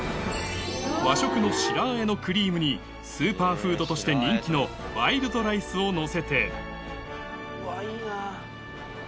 和食の白和えのクリームにスーパーフードとして人気のワイルドライスをのせてうわいいな。